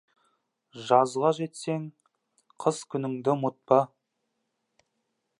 Жазға жетсең, қыс күніңді ұмытпа.